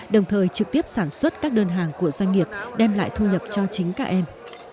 đồng thời trực tiếp sản xuất các đơn hàng của doanh nghiệp đem lại thu nhập cho chính các em